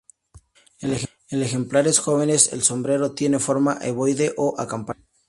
En ejemplares jóvenes, el sombrero tiene forma ovoide o acampanada.